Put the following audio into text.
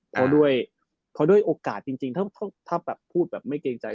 เพราะด้วยโอกาสจริงถ้าแบบพูดแบบไม่เกรงใจ